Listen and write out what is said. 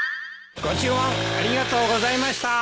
ご注文ありがとうございました。